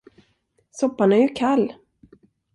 Soppan är ju kall!